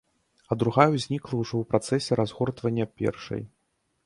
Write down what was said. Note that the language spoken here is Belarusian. А другая ўзнікла ўжо ў працэсе разгортвання першай.